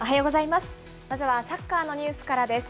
まずはサッカーのニュースからです。